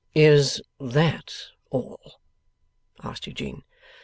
'Is THAT all?' asked Eugene.